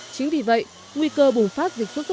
chính vì vậy nguy cơ bùng phát dịch sốt huyết